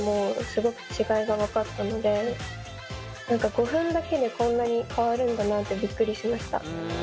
５分だけでこんなに変わるんだなってびっくりしました。